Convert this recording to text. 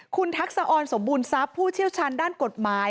คุณทักษะออนสมบูรณทรัพย์ผู้เชี่ยวชาญด้านกฎหมาย